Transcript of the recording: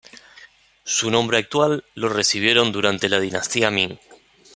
Su nombre actual lo recibieron durante la dinastía Ming.